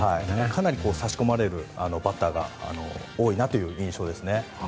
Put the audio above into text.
かなり差し込まれるバッターが多いなという印象ですね。